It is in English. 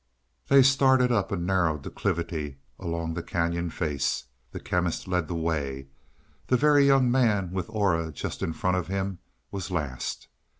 They started up a narrow declivity along the cañon face. The Chemist led the way; the Very Young Man, with Aura just in front of him, was last.